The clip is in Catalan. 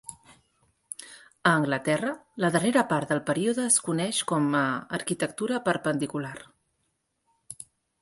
A Anglaterra, la darrera part del període es coneix com a arquitectura perpendicular.